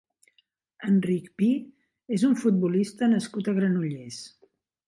Enric Pi és un futbolista nascut a Granollers.